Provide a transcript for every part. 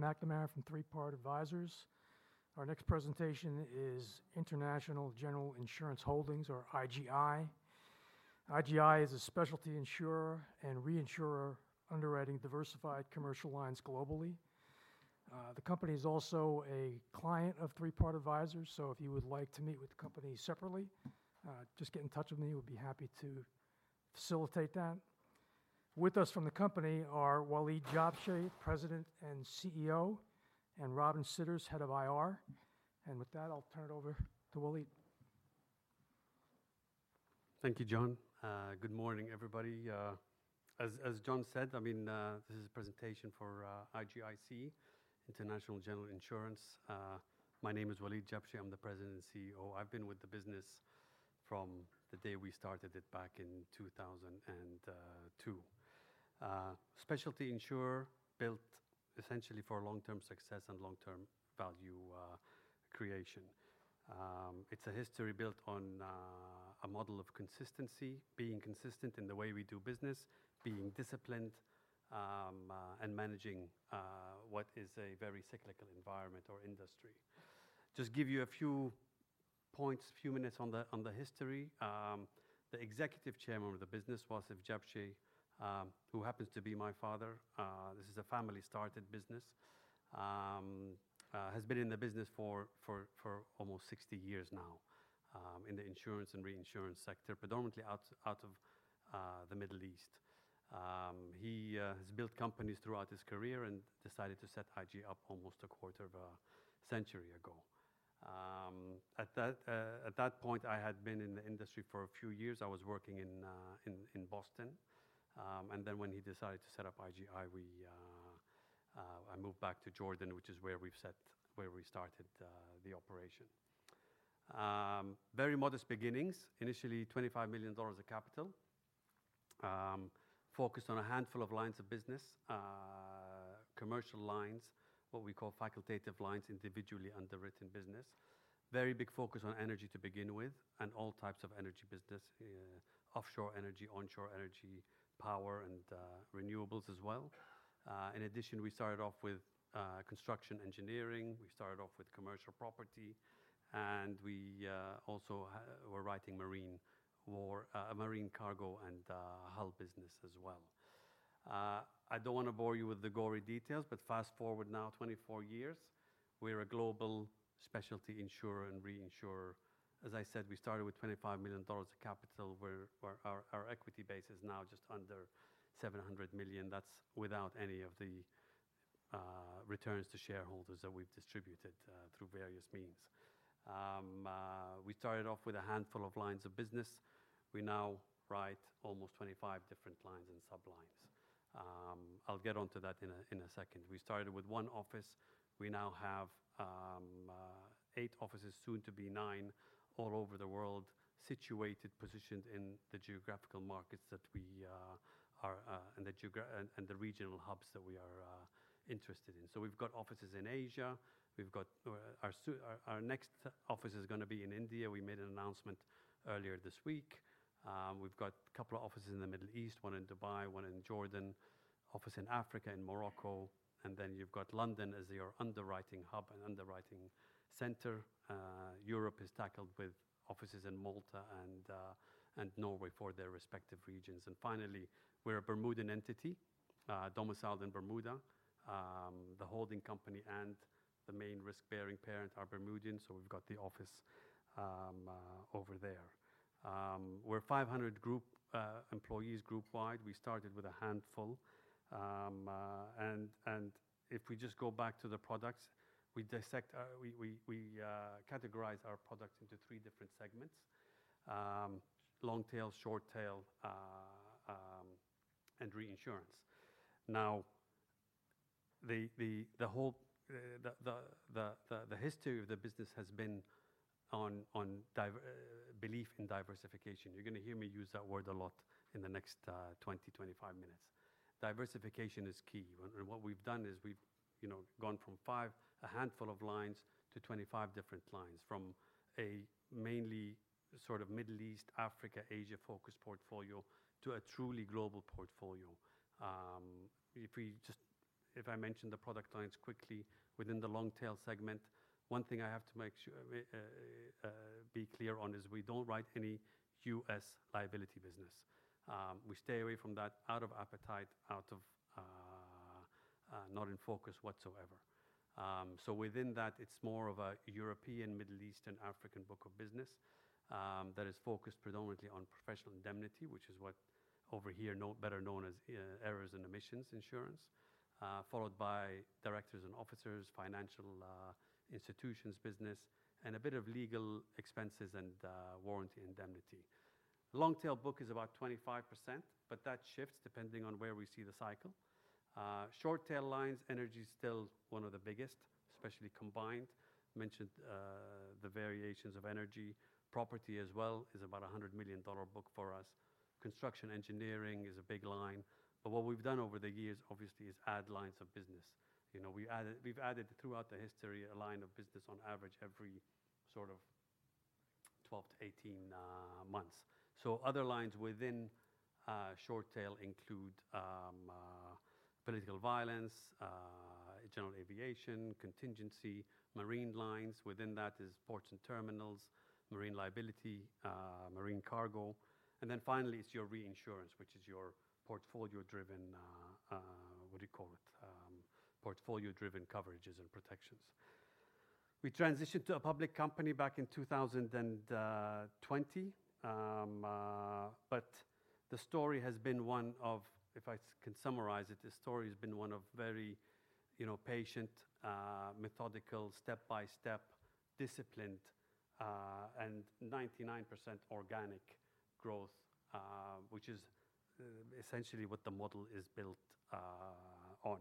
John McNamara from Three Part Advisors. Our next presentation is International General Insurance Holdings or IGI. IGI is a specialty insurer and reinsurer underwriting diversified commercial lines globally. The company is also a client of Three Part Advisors, so if you would like to meet with the company separately, just get in touch with me. We'd be happy to facilitate that. With us from the company are Waleed Jabsheh, President and CEO, and Robin Sidders, Head of IR. With that, I'll turn it over to Waleed. Thank you, John. Good morning, everybody. As John said, this is a presentation for IGIC, International General Insurance. My name is Waleed Jabsheh. I'm the President and CEO. I've been with the business from the day we started it back in 2002. Specialty insurer built essentially for long-term success and long-term value creation. It's a history built on a model of consistency, being consistent in the way we do business, being disciplined and managing what is a very cyclical environment or industry. Just give you a few points, a few minutes on the history. The Executive Chairman of the business, Wasef Jabsheh who happens to be my father, this is a family started business has been in the business for almost 60 years now in the insurance and reinsurance sector, predominantly out of the Middle East. He has built companies throughout his career and decided to set IGI up almost a quarter of a century ago. At that point, I had been in the industry for a few years. I was working in Boston and then when he decided to set up IGI, I moved back to Jordan, which is where we started the operation. Very modest beginnings. Initially, $25 million of capital focused on a handful of lines of business. Commercial lines, what we call facultative lines, individually underwritten business. Very big focus on energy to begin with and all types of energy business. Offshore energy, onshore energy, power and renewables as well. In addition, we started off with construction engineering. We started off with commercial property, and we also were writing marine cargo and hull business as well. I don't want to bore you with the gory details, fast-forward now 24 years, we're a global specialty insurer and reinsurer. As I said, we started with $25 million of capital where our equity base is now just under $700 million. That's without any of the returns to shareholders that we've distributed through various means. We started off with a handful of lines of business. We now write almost 25 different lines and sub-lines. I'll get onto that in a second. We started with one office. We now have eight offices soon to be nine all over the world situated, positioned in the geographical markets and the regional hubs that we are interested in. We've got offices in Asia. Our next office is going to be in India. We made an announcement earlier this week. We've got a couple of offices in the Middle East, one in Dubai, one in Jordan, office in Africa and Morocco. Then you've got London as your underwriting hub and underwriting center. Europe is tackled with offices in Malta and Norway for their respective regions. Finally, we're a Bermudan entity domiciled in Bermuda. The holding company and the main risk-bearing parent are Bermudians, so we've got the office over there. We're 500 employees group wide. We started with a handful. If we just go back to the products, we categorize our products into three different segments: Long-tail, Short-tail, and Reinsurance. The history of the business has been on belief in diversification. You're going to hear me use that word a lot in the next 20, 25 minutes. Diversification is key. What we've done is we've gone from a handful of lines to 25 different lines. From a mainly Middle East, Africa, Asia focused portfolio to a truly global portfolio. If I mention the product lines quickly within the Long-tail segment, one thing I have to be clear on is we don't write any U.S. liability business. We stay away from that out of appetite, not in focus whatsoever. Within that, it's more of a European, Middle Eastern, African book of business that is focused predominantly on professional indemnity, which is what over here better known as errors and omissions insurance followed by directors and officers, financial institutions business, and a bit of legal expenses and warranty indemnity. Long-tail book is about 25%, but that shifts depending on where we see the cycle. Short-tail lines, energy's still one of the biggest, especially combined. Mentioned the variations of energy. Property as well is about $100 million book for us. Construction engineering is a big line. What we've done over the years, obviously, is add lines of business. We've added throughout the history a line of business on average every sort of 12-18 months. Other lines within Short-tail include political violence, general aviation, contingency, marine lines. Within that is ports and terminals, marine liability, marine cargo. Finally, it's your reinsurance, which is your portfolio-driven coverages and protections. We transitioned to a public company back in 2020. If I can summarize it, the story has been one of very patient, methodical, step-by-step, disciplined, and 99% organic growth, which is essentially what the model is built on.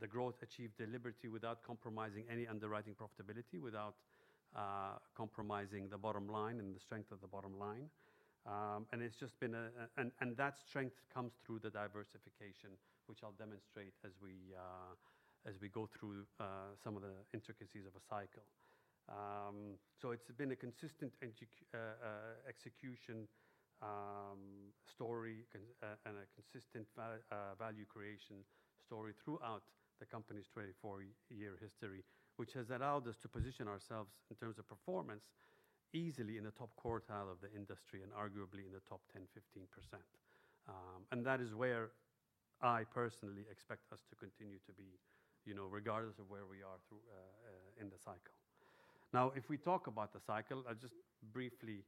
The growth achieved deliberately without compromising any underwriting profitability, without compromising the bottom line and the strength of the bottom line. That strength comes through the diversification, which I'll demonstrate as we go through some of the intricacies of a cycle. It's been a consistent execution story and a consistent value creation story throughout the company's 24-year history, which has allowed us to position ourselves in terms of performance easily in the top quartile of the industry and arguably in the top 10%, 15%. That is where I personally expect us to continue to be, regardless of where we are in the cycle. If we talk about the cycle, I'll just briefly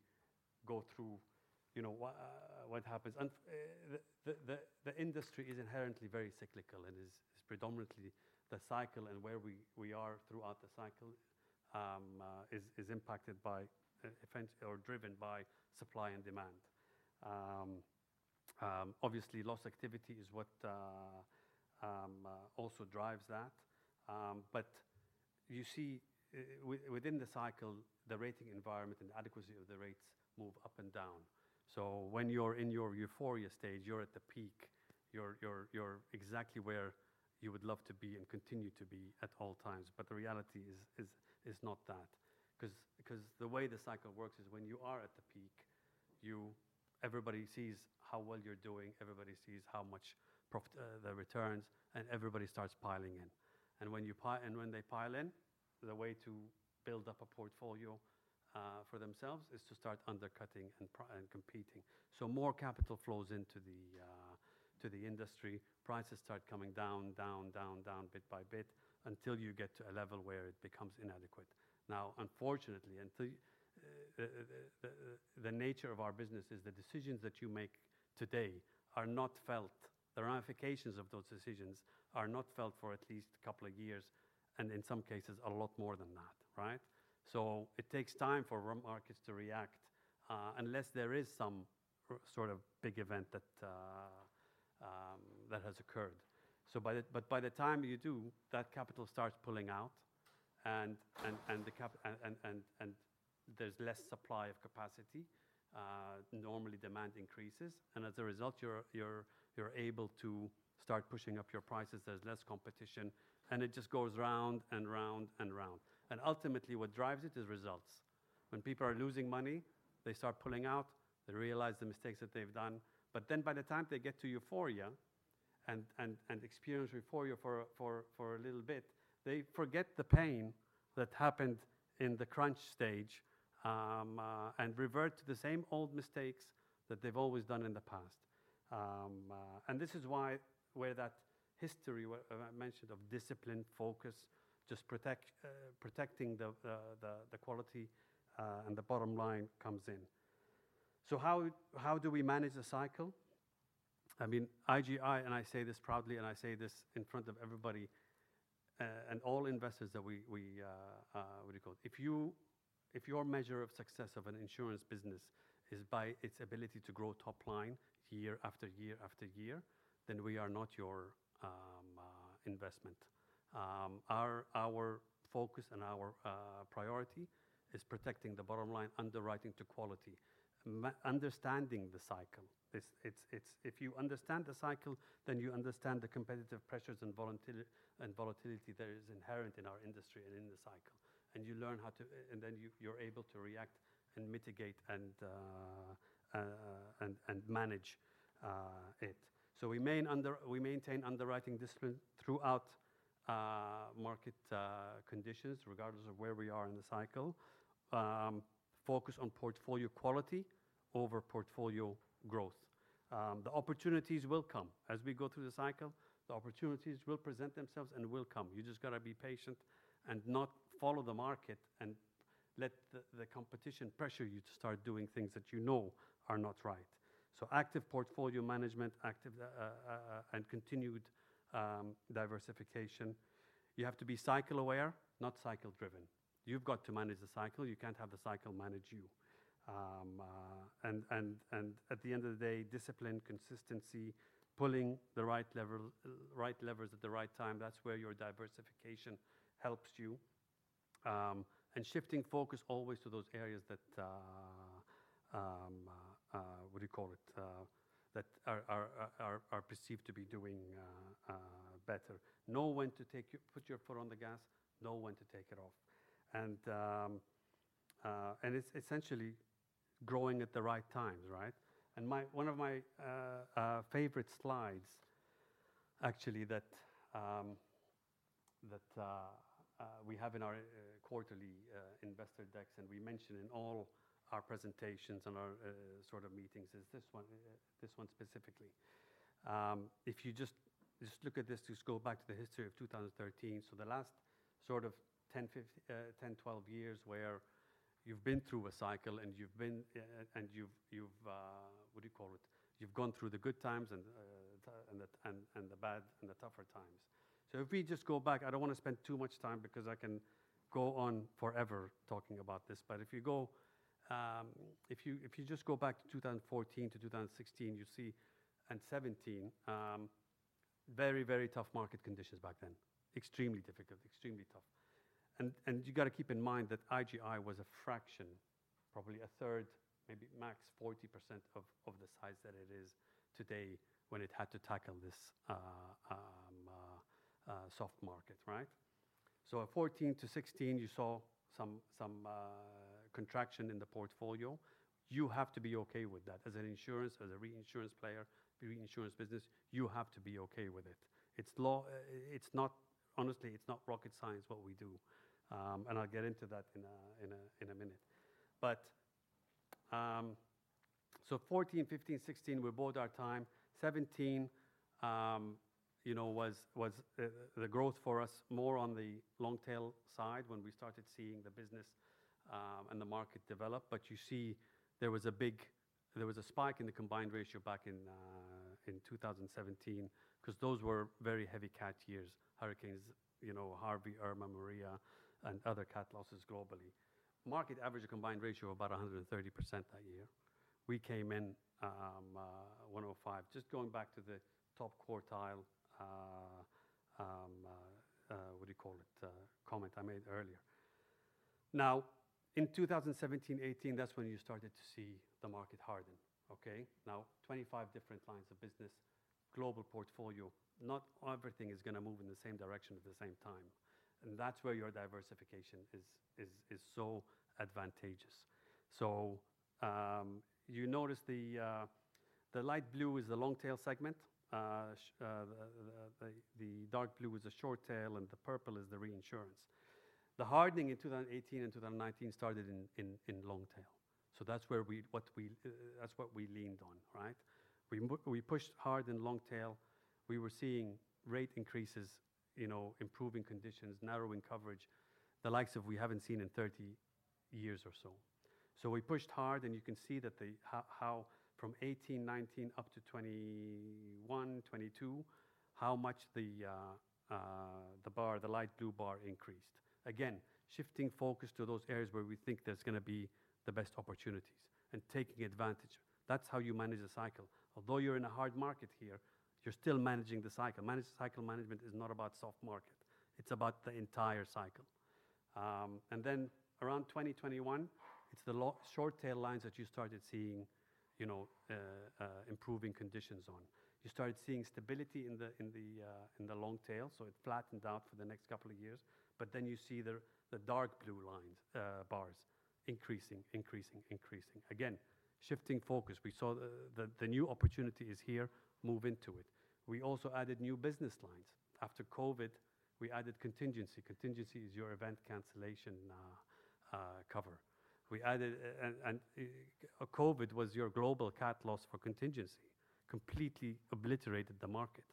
go through what happens. The industry is inherently very cyclical and is predominantly the cycle and where we are throughout the cycle is impacted by events or driven by supply and demand. Obviously, loss activity is what also drives that. You see within the cycle, the rating environment and adequacy of the rates move up and down. When you're in your euphoria stage, you're at the peak. You're exactly where you would love to be and continue to be at all times. The reality is not that, because the way the cycle works is when you are at the peak, everybody sees how well you're doing, everybody sees the returns, and everybody starts piling in. When they pile in, the way to build up a portfolio for themselves is to start undercutting and competing. More capital flows into the industry. Prices start coming down, down, bit by bit until you get to a level where it becomes inadequate. Unfortunately, the nature of our business is the decisions that you make today are not felt. The ramifications of those decisions are not felt for at least a couple of years, and in some cases, a lot more than that, right? It takes time for markets to react, unless there is some sort of big event that has occurred. By the time you do, that capital starts pulling out and there's less supply of capacity. Normally, demand increases, and as a result, you're able to start pushing up your prices. There's less competition, and it just goes round and round and round. Ultimately, what drives it is results. When people are losing money, they start pulling out. They realize the mistakes that they've done. By the time they get to euphoria and experience euphoria for a little bit, they forget the pain that happened in the crunch stage and revert to the same old mistakes that they've always done in the past. This is where that history I mentioned of discipline, focus, just protecting the quality, and the bottom line comes in. How do we manage the cycle? IGI, and I say this proudly and I say this in front of everybody and all investors that we What do you call it? If your measure of success of an insurance business is by its ability to grow top line year after year after year, then we are not your investment. Our focus and our priority is protecting the bottom line, underwriting to quality. Understanding the cycle. If you understand the cycle, then you understand the competitive pressures and volatility that is inherent in our industry and in the cycle. You're able to react and mitigate and manage it. We maintain underwriting discipline throughout market conditions, regardless of where we are in the cycle. Focus on portfolio quality over portfolio growth. The opportunities will come. As we go through the cycle, the opportunities will present themselves and will come. You just got to be patient and not follow the market and let the competition pressure you to start doing things that you know are not right. Active portfolio management and continued diversification. You have to be cycle-aware, not cycle-driven. You've got to manage the cycle. You can't have the cycle manage you. At the end of the day, discipline, consistency, pulling the right levers at the right time, that's where your diversification helps you. Shifting focus always to those areas that, what do you call it? That are perceived to be doing better. Know when to put your foot on the gas, know when to take it off. It's essentially growing at the right times, right? One of my favorite slides actually that we have in our quarterly investor decks and we mention in all our presentations and our meetings is this one specifically. If you just look at this, just go back to the history of 2013, so the last 10-12 years where you've been through a cycle and you've, what do you call it? You've gone through the good times and the bad and the tougher times. If we just go back, I don't want to spend too much time because I can go on forever talking about this. If you just go back to 2014-2016 and 2017, you see very, very tough market conditions back then. Extremely difficult, extremely tough. You've got to keep in mind that IGI was a fraction, probably a third, maybe max 40% of the size that it is today when it had to tackle this soft market, right? 2014-2016, you saw some contraction in the portfolio. You have to be okay with that. As an insurance, as a reinsurance player, reinsurance business, you have to be okay with it. Honestly, it's not rocket science what we do, and I'll get into that in a minute. 2014, 2015, 2016, we bide our time. 2017 was the growth for us more on the Long-tail side when we started seeing the business and the market develop. You see there was a spike in the combined ratio back in 2017 because those were very heavy cat years. Hurricanes Harvey, Irma, Maria, and other cat losses globally. Market average combined ratio about 130% that year. We came in 105%, just going back to the top quartile, what do you call it? Comment I made earlier. In 2017, 2018, that's when you started to see the market harden. Okay. 25 different lines of business, global portfolio. Not everything is going to move in the same direction at the same time. That's where your diversification is so advantageous. You notice the light blue is the Long-tail segment. The dark blue is the Short-tail and the purple is the Reinsurance. The hardening in 2018 and 2019 started in Long-tail. That's what we leaned on, right? We pushed hard in Long-tail. We were seeing rate increases, improving conditions, narrowing coverage, the likes of we haven't seen in 30 years or so. We pushed hard and you can see how from 2018, 2019 up to 2021, 2022, how much the light blue bar increased. Again, shifting focus to those areas where we think there's going to be the best opportunities and taking advantage. That's how you manage a cycle. Although you're in a hard market here, you're still managing the cycle. Cycle management is not about soft market. It's about the entire cycle. Then around 2021, it's the short-tail lines that you started seeing improving conditions on. You started seeing stability in the long-tail, so it flattened out for the next couple of years. You see the dark blue bars increasing. Again, shifting focus. We saw the new opportunity is here. We moved into it. We also added new business lines. After COVID, we added contingency. Contingency is your event cancellation cover. COVID was your global cat loss for contingency. Completely obliterated the market.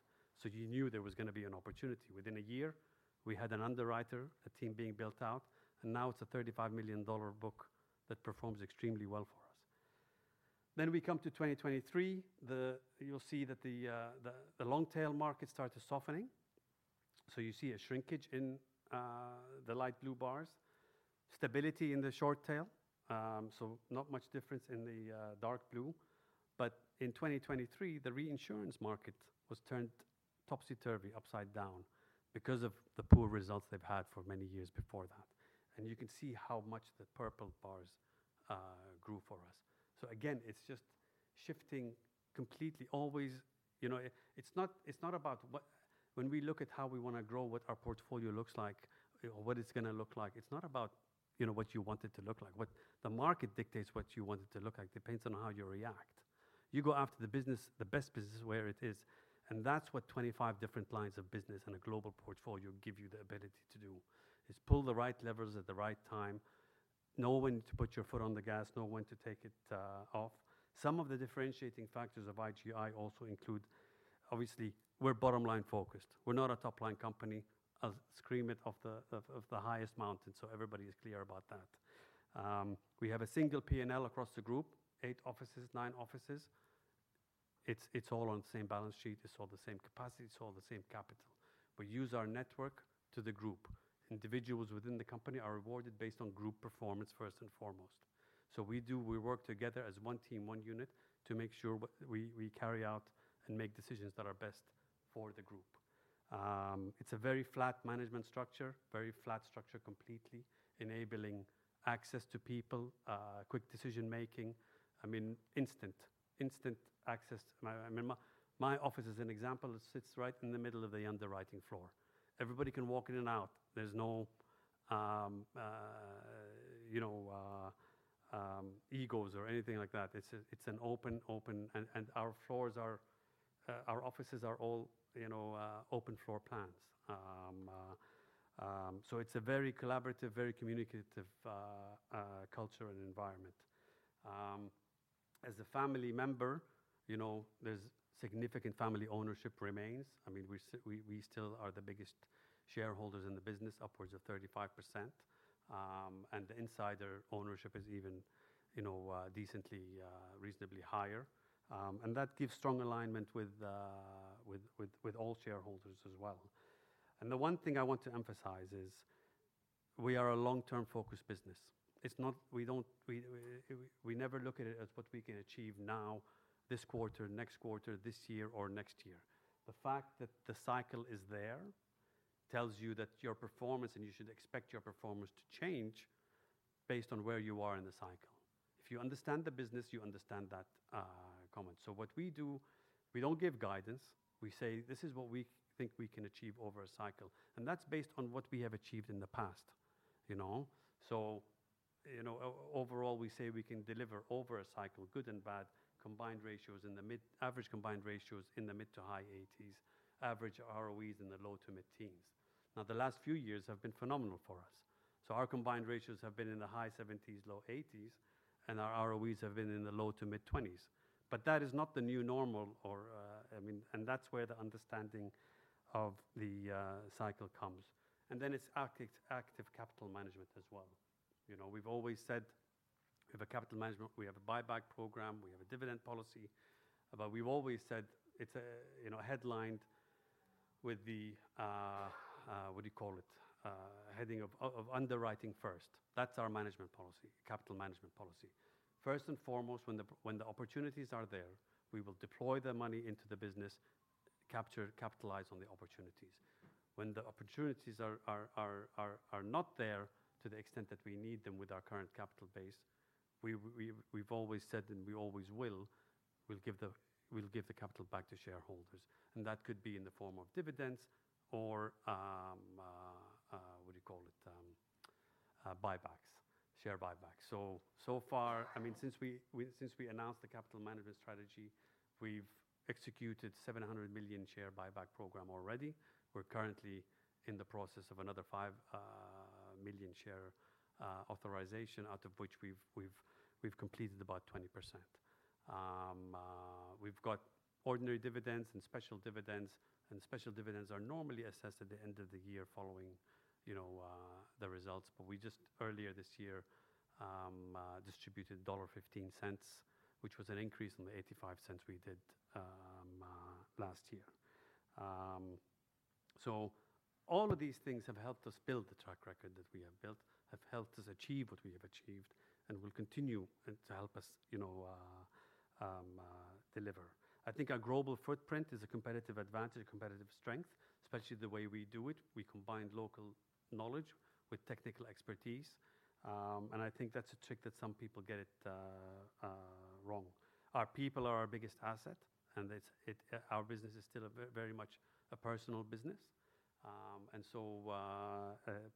You knew there was going to be an opportunity. Within a year, we had an underwriter, a team being built out, and now it's a $35 million book that performs extremely well for us. We come to 2023. You'll see that the Long-tail market started softening. You see a shrinkage in the light blue bars. Stability in the Short-tail. Not much difference in the dark blue. In 2023, the Reinsurance market was turned topsy-turvy, upside down because of the poor results they've had for many years before that. You can see how much the purple bars grew for us. Again, it's just shifting completely always. When we look at how we want to grow what our portfolio looks like or what it's going to look like, it's not about what you want it to look like. The market dictates what you want it to look like. Depends on how you react. You go after the best business where it is, and that's what 25 different lines of business and a global portfolio give you the ability to do, is pull the right levers at the right time, know when to put your foot on the gas, know when to take it off. Some of the differentiating factors of IGI also include, obviously, we're bottom line focused. We're not a top-line company. I'll scream it of the highest mountain so everybody is clear about that. We have a single P&L across the group, nine offices. It's all on the same balance sheet. It's all the same capacity. It's all the same capital. We use our network to the group. Individuals within the company are rewarded based on group performance first and foremost. We work together as one team, one unit, to make sure we carry out and make decisions that are best for the group. It's a very flat management structure. Very flat structure completely, enabling access to people, quick decision-making. Instant access. My office as an example, it sits right in the middle of the underwriting floor. Everybody can walk in and out. There are no egos or anything like that. It's open, and our offices are all open floor plans. It's a very collaborative, very communicative culture and environment. As a family member, significant family ownership remains. We still are the biggest shareholders in the business, upwards of 35%. The insider ownership is even decently, reasonably higher. That gives strong alignment with all shareholders as well. The one thing I want to emphasize is we are a long-term focused business. We never look at it as what we can achieve now, this quarter, next quarter, this year, or next year. The fact that the cycle is there tells you that your performance, and you should expect your performance to change based on where you are in the cycle. If you understand the business, you understand that comment. What we do, we don't give guidance. We say, "This is what we think we can achieve over a cycle." That's based on what we have achieved in the past. Overall, we say we can deliver over a cycle, good and bad, average combined ratios in the mid-to-high 80%s, average ROEs in the low-to-mid teens. The last few years have been phenomenal for us. Our combined ratios have been in the high 70%s, low 80%s, and our ROEs have been in the low-to-mid 20%s. That is not the new normal, and that's where the understanding of the cycle comes. It's active capital management as well. We've always said we have a capital management, we have a buyback program, we have a dividend policy. We've always said it's headlined with the, what do you call it? Heading of underwriting first. That's our management policy, capital management policy. First and foremost, when the opportunities are there, we will deploy the money into the business, capitalize on the opportunities. When the opportunities are not there to the extent that we need them with our current capital base, we've always said, and we always will, we'll give the capital back to shareholders. That could be in the form of dividends or, what do you call it? Share buybacks. So far, since we announced the capital management strategy, we've executed a $700 million share buyback program already. We're currently in the process of another five million share authorization, out of which we've completed about 20%. We've got ordinary dividends and special dividends, and special dividends are normally assessed at the end of the year following the results. We just earlier this year distributed $1.15, which was an increase on the $0.85 we did last year. All of these things have helped us build the track record that we have built, have helped us achieve what we have achieved, and will continue to help us deliver. I think our global footprint is a competitive advantage, competitive strength, especially the way we do it. We combine local knowledge with technical expertise. I think that's a trick that some people get it wrong. Our people are our biggest asset, and our business is still very much a personal business.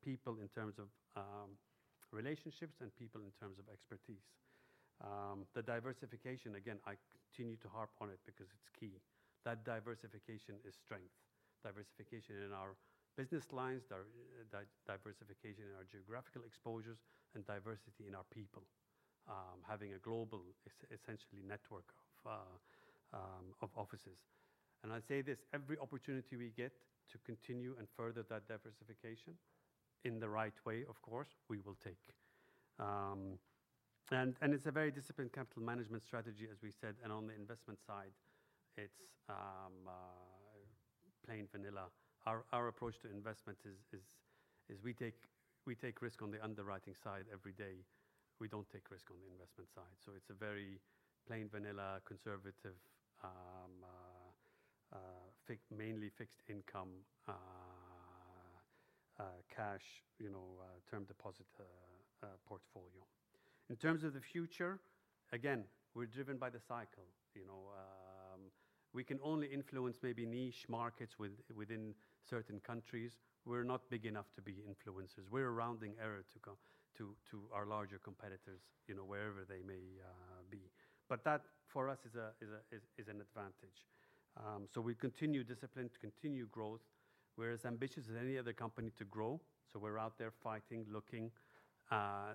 People in terms of relationships and people in terms of expertise. The diversification, again, I continue to harp on it because it's key. That diversification is strength. Diversification in our business lines, diversification in our geographical exposures, and diversity in our people. Having a global, essentially, network of offices. I say this, every opportunity we get to continue and further that diversification in the right way, of course, we will take. It's a very disciplined capital management strategy, as we said. On the investment side, it's plain vanilla. Our approach to investment is we take risk on the underwriting side every day. We don't take risk on the investment side. It's a very plain vanilla, conservative, mainly fixed income, cash term deposit portfolio. In terms of the future, again, we're driven by the cycle. We can only influence maybe niche markets within certain countries. We're not big enough to be influencers. We're a rounding error to our larger competitors, wherever they may be. That for us is an advantage. We continue discipline to continue growth. We're as ambitious as any other company to grow. We're out there fighting, looking,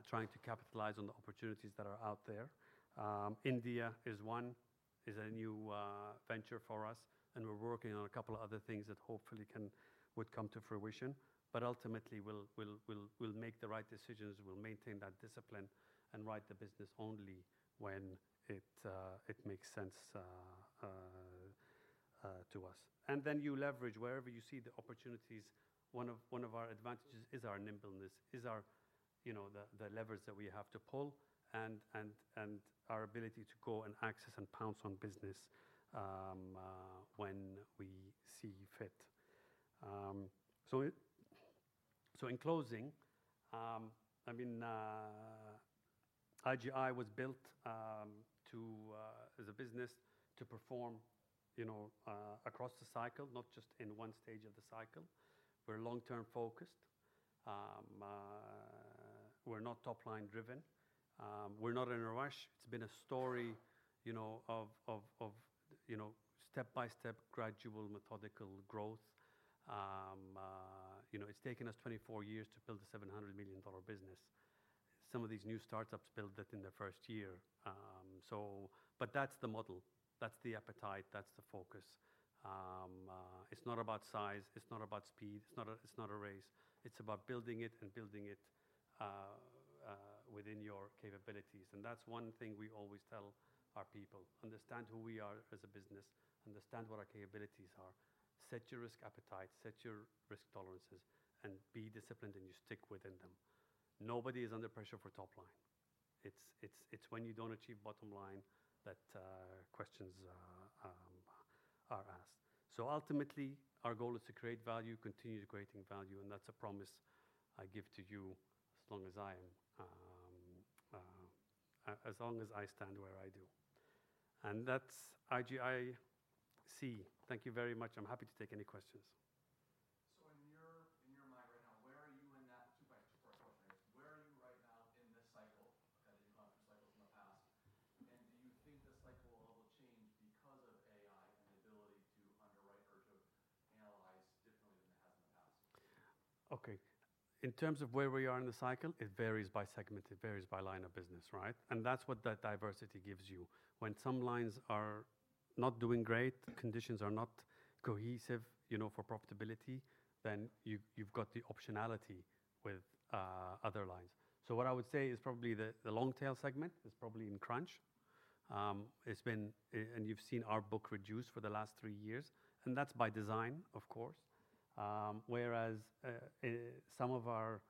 trying to capitalize on the opportunities that are out there. India is one, is a new venture for us, and we're working on a couple of other things that hopefully would come to fruition. Ultimately, we'll make the right decisions, we'll maintain that discipline, and ride the business only when it makes sense to us. You leverage wherever you see the opportunities. One of our advantages is our nimbleness, is our levers that we have to pull and our ability to go and access and pounce on business when we see fit. In closing, IGI was built as a business to perform across the cycle, not just in one stage of the cycle. We're long-term focused. We're not top-line driven. We're not in a rush. It's been a story of step-by-step, gradual, methodical growth. It's taken us 24 years to build a $700 million business. Some of these new startups build that in their first year. That's the model, that's the appetite, that's the focus. It's not about size, it's not about speed. It's not a race. It's about building it and building it within your capabilities. That's one thing we always tell our people. Understand who we are as a business, understand what our capabilities are, set your risk appetite, set your risk tolerances, and be disciplined and you stick within them. Nobody is under pressure for top line. It's when you don't achieve bottom line that questions are asked. Ultimately, our goal is to create value, continue creating value, and that's a promise I give to you as long as I stand where I do. That's IGIC. Thank you very much. I'm happy to take any questions. In your mind right now, where are you in that two by two square space? Where are you right now in this cycle as you compare to cycles in the past, and do you think the cycle will change because of AI and the ability to underwrite or to analyze differently than it has in the past? Okay. In terms of where we are in the cycle, it varies by segment, it varies by line of business, right? That's what that diversity gives you. When some lines are not doing great, conditions are not cohesive for profitability, then you've got the optionality with other lines. What I would say is probably the Long-tail segment is probably in crunch. You've seen our book reduce for the last three years, and that's by design, of course. Whereas some of our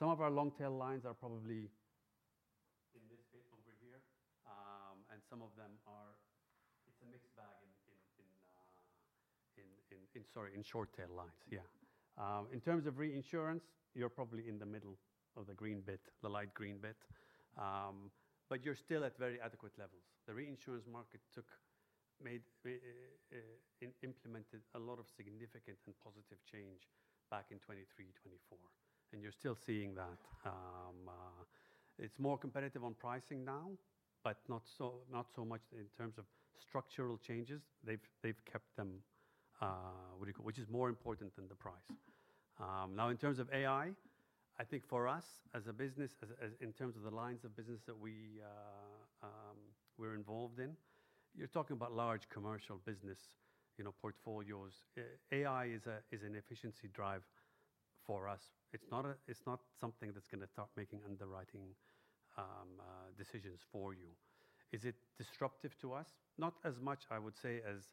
Long-tail lines are probably in this space over here. It's a mixed bag in Short-tail lines, yeah. In terms of Reinsurance, you're probably in the middle of the green bit, the light green bit, but you're still at very adequate levels. The Reinsurance market implemented a lot of significant and positive change back in 2023, 2024, you're still seeing that. It's more competitive on pricing now, but not so much in terms of structural changes. They've kept them, which is more important than the price. In terms of AI, I think for us as a business, in terms of the lines of business that we're involved in, you're talking about large commercial business portfolios. AI is an efficiency drive for us. It's not something that's going to start making underwriting decisions for you. Is it disruptive to us? Not as much, I would say, as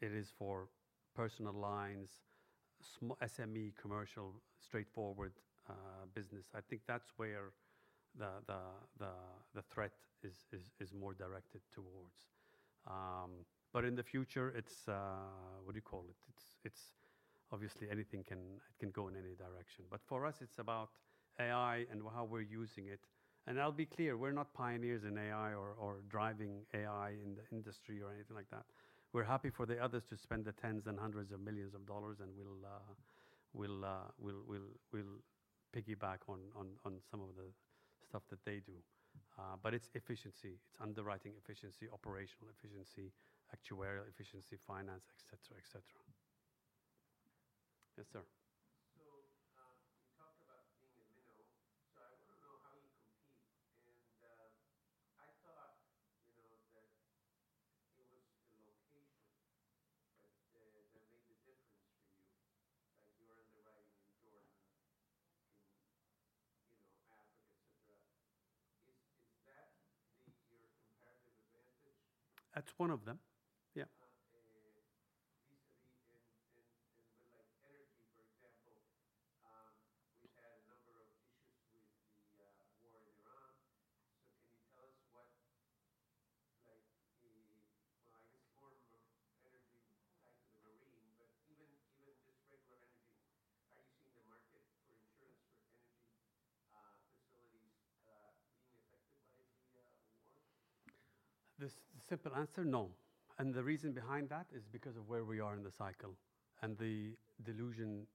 it is for personal lines, SME, commercial, straightforward business. I think that's where the threat is more directed towards. In the future, what do you call it? Obviously, anything can go in any direction. For us, it's about AI and how we're using it. I'll be clear, we're not pioneers in AI or driving AI in the industry or anything like that. We're happy for the others to spend the tens and hundreds of millions of dollars, and we'll piggyback on some of the stuff that they do. It's efficiency, it's underwriting efficiency, operational efficiency, actuarial efficiency, finance, et cetera. Yes, sir. Recently in with energy, for example, we've had a number of issues with the war in Iran. Can you tell us what the, well, I guess form of energy back to the marine, but even just regular energy. Are you seeing the market for insurance, for energy facilities being affected by the war? The simple answer, no. The reason behind that is because of where we are in the cycle and the delusional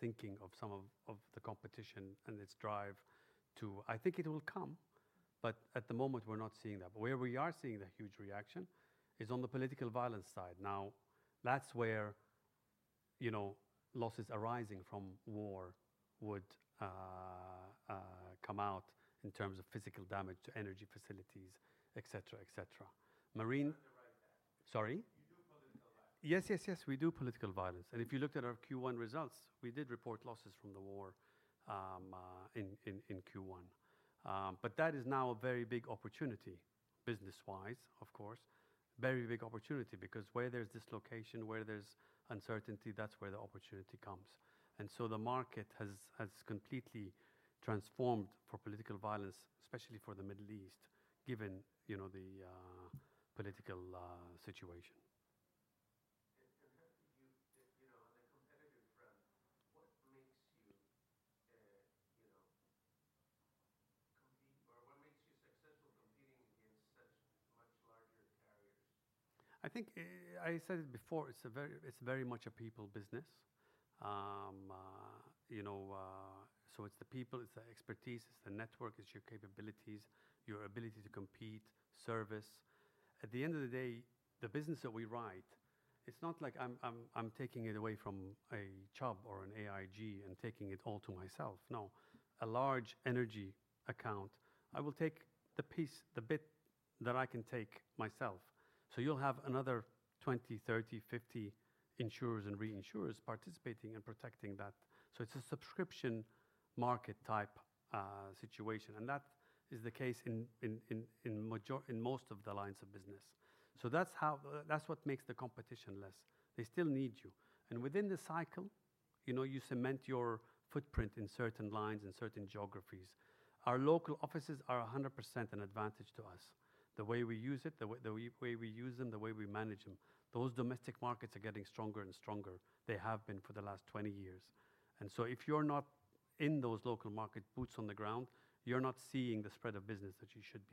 thinking of some of the competition and its drive to I think it will come, but at the moment, we're not seeing that. Where we are seeing the huge reaction is on the political violence side. That's where losses arising from war would come out in terms of physical damage to energy facilities, et cetera. Marine- You underwrite that. Sorry? You do political violence. We do political violence. If you looked at our Q1 results, we did report losses from the war in Q1. That is now a very big opportunity business-wise, of course. Very big opportunity because where there's dislocation, where there's uncertainty, that's where the opportunity comes. The market has completely transformed for political violence, especially for the Middle East, given the political situation. How did you on the competitive front, what makes you compete, or what makes you successful competing against such much larger carriers? I think I said it before, it's very much a people business. It's the people, it's the expertise, it's the network, it's your capabilities, your ability to compete, service. At the end of the day, the business that we write, it's not like I'm taking it away from a Chubb or an AIG and taking it all to myself. No. A large energy account, I will take the piece, the bit that I can take myself. You'll have another 20, 30, 50 insurers and reinsurers participating and protecting that. It's a subscription market type situation, and that is the case in most of the lines of business. That's what makes the competition less. They still need you. Within the cycle, you cement your footprint in certain lines and certain geographies. Our local offices are 100% an advantage to us. The way we use it, the way we use them, the way we manage them, those domestic markets are getting stronger and stronger. They have been for the last 20 years. If you're not in those local market boots on the ground, you're not seeing the spread of business that you should be-